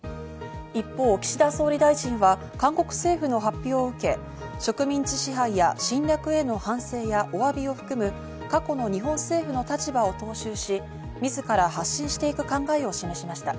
一方、岸田総理大臣は韓国政府の発表を受けて、植民地支配や侵略への反省やおわびを含む、過去の日本政府の立場を踏襲し、自ら発信していく考えを示しました。